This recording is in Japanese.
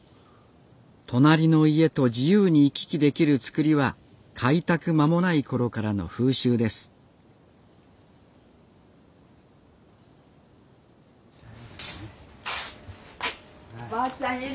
隣の家と自由に行き来できる造りは開拓間もないころからの風習ですばあちゃんいる？